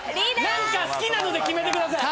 何か好きなので決めてください。